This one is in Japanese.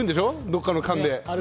どっかの巻で。